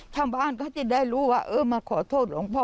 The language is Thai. ชาวบ้านก็จะได้รู้ว่าเออมาขอโทษหลวงพ่อ